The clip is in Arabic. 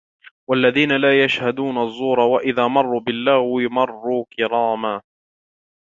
وَالَّذِينَ لَا يَشْهَدُونَ الزُّورَ وَإِذَا مَرُّوا بِاللَّغْوِ مَرُّوا كِرَامًا